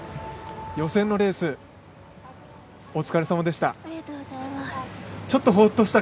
予選のレースお疲れさまでした。